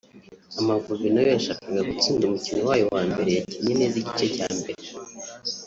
Amavubi nayo yashakaga gutsinda umukino wayo wa mbere yakinnye neza igice cya mbere